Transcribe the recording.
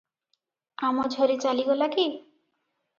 ଆମଝରୀ ଚାଲିଗଲା କି?